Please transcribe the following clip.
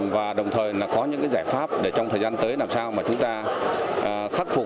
và đồng thời có những giải pháp để trong thời gian tới làm sao mà chúng ta khắc phục